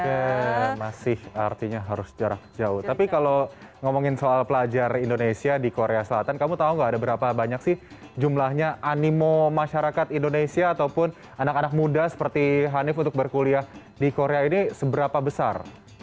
oke masih artinya harus jarak jauh tapi kalau ngomongin soal pelajar indonesia di korea selatan kamu tahu gak ada berapa banyak sih jumlahnya animo masyarakat indonesia ataupun anak anak muda seperti hanif untuk berkuliah di korea ini seberapa besar